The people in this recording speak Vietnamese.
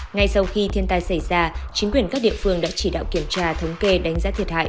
ngay sau khi thiên tai xảy ra chính quyền các địa phương đã chỉ đạo kiểm tra thống kê đánh giá thiệt hại